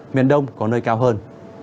miền đông có nơi cao hơn